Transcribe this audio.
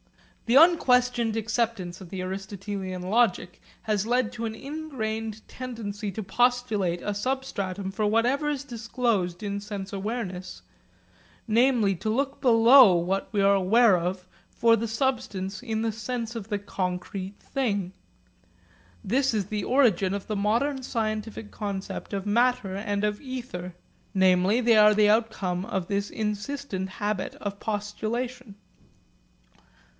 The unquestioned acceptance of the Aristotelian logic has led to an ingrained tendency to postulate a substratum for whatever is disclosed in sense awareness, namely, to look below what we are aware of for the substance in the sense of the 'concrete thing.' This is the origin of the modern scientific concept of matter and of ether, namely they are the outcome of this insistent habit of postulation.